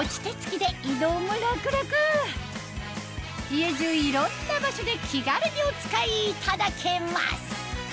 家じゅういろんな場所で気軽にお使いいただけます